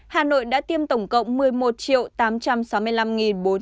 hà nội đã tiêm tổng cộng